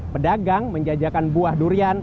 pedagang menjajakan buah durian